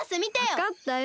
わかったよ。